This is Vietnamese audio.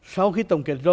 sau khi tổng kết rồi